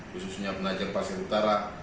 khususnya penajam pasar utara